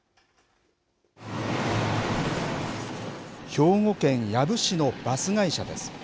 兵庫県養父市のバス会社です。